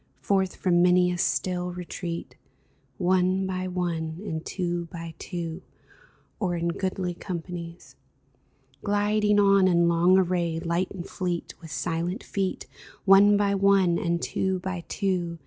Forth from many a still retreat, One by one, and two by two, Or in goodly companies ; Gliding on in long array, Light and fleet, with silent feet, One by one, and two by two.